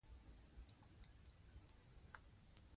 ټول انتقالات د هوایي او ځمکنیو لارو په واسطه کیږي